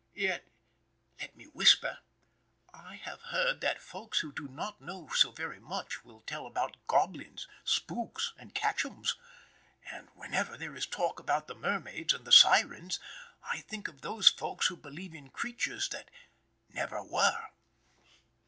Yet let me whisper I have heard that Folks who do not know so very much, will tell about "goblins," "spooks," and "catch ums," and whenever there is talk about the mermaids and the sirens, I think of those Folks who believe in creatures that "never were."